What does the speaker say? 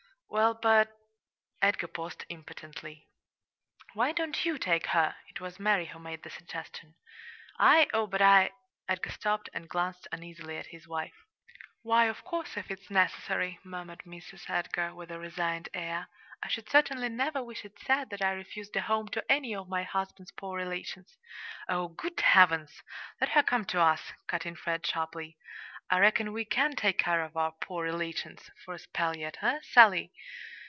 "Well, but " Edgar paused impotently. "Why don't you take her?" It was Mary who made the suggestion. "I? Oh, but I " Edgar stopped and glanced uneasily at his wife. "Why, of course, if it's necessary," murmured Mrs. Edgar, with a resigned air. "I should certainly never wish it said that I refused a home to any of my husband's poor relations." "Oh, good Heavens! Let her come to us," cut in Fred sharply. "I reckon we can take care of our 'poor relations' for a spell yet; eh, Sally?"